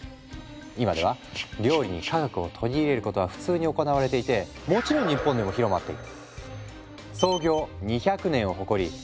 今では料理に科学を取り入れることは普通に行われていてもちろん日本でも広まっている。